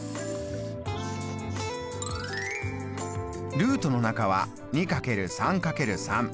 ルートの中は２×３×３。